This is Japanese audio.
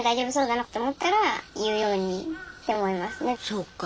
そっか。